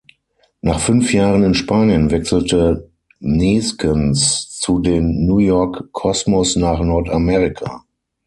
Nach fünf Jahren in Spanien wechselte Neeskens zu den New York Cosmos nach Nordamerika.